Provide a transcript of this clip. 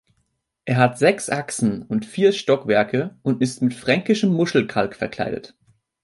Es hat sechs Achsen und vier Stockwerke und ist mit fränkischem Muschelkalk verkleidet.